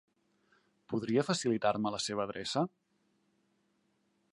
Podria facilitar-me la seva adreça?